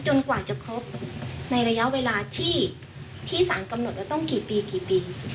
กว่าจะครบในระยะเวลาที่สารกำหนดแล้วต้องกี่ปีกี่ปี